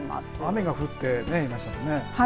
雨が降っていましたよね。